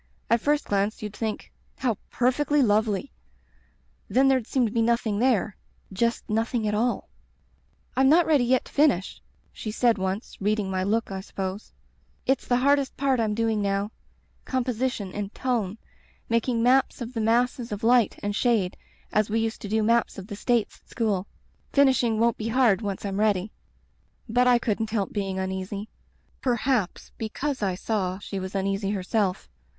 At first glance you'd think, 'How perfectly lovely!' — then there'd seem to be nothing there. Just nothing at all. "'I'm not ready yet to finish,' she said once, reading my look, I suppose. 'It's the C44] Digitized by LjOOQ IC The Rubber Stamp hardest part Fm doing now — composition and tone, making maps of the masses of light and shade as we used to do maps of the States at school. Finishing won't be hard once Fm ready/ "But I couldn't help being uneasy; per haps because I saw she was uneasy herself.